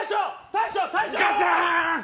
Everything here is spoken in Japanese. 大将、大将。